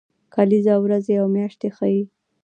کلیزه ورځې او میاشتې ښيي